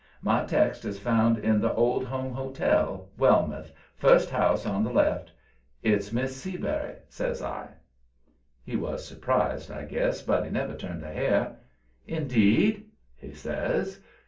My text is found in the Old Home Hotel, Wellmouth, first house on the left. It's Miss Seabury," says I. He was surprised, I guess, but he never turned a hair. "Indeed?" he says.